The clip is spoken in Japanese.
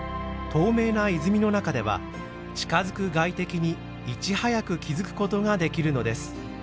透明な泉の中では近づく外敵にいち早く気付く事ができるのです。